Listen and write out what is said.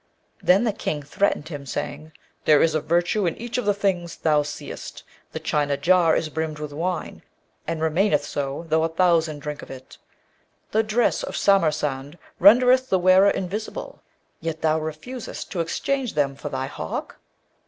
Then the King threatened him, saying, 'There is a virtue in each of the things thou seest: the China jar is brimmed with wine, and remaineth so though a thousand drink of it; the dress of Samarcand rendereth the wearer invisible; yet thou refusest to exchange them for thy hawk!'